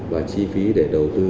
và chi phí để đầu tư